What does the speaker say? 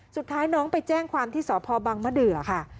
สุดท้ายน้องไปแจ้งความที่สพบังมะเดือค่ะ